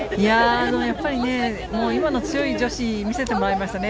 やっぱり今の強い女子を見せてもらいましたね。